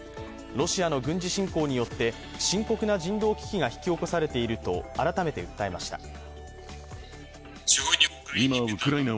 ロシアの軍事侵攻によって深刻な人道危機が引き起こされていると改めて訴えました。